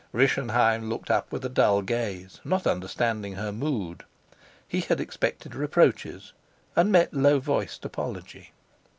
Rischenheim looked up with a dull gaze, not understanding her mood. He had expected reproaches, and met low voiced apology.